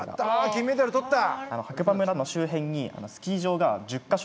金メダル取った。